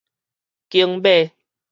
景尾